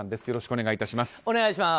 よろしくお願いします。